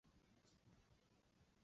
童男者尤良。